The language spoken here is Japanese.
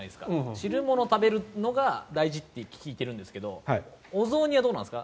汁物を食べるのが大事って聞いてるんですけどお雑煮はどうなんですか？